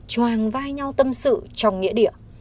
choàng vai nhau tâm sự trong nghĩa địa